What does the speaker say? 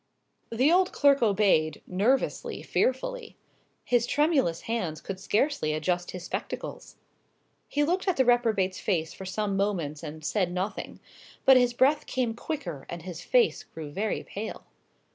The old clerk obeyed, nervously, fearfully. His tremulous hands could scarcely adjust his spectacles. He looked at the reprobate's face for some moments and said nothing. But his breath came quicker and his face grew very pale.